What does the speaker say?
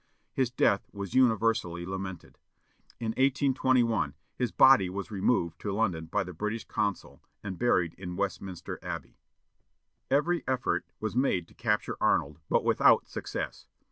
His death was universally lamented. In 1821, his body was removed to London by the British consul, and buried in Westminster Abbey. Every effort was made to capture Arnold, but without success.